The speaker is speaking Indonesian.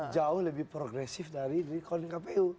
jauh lebih progresif dari recalling kpu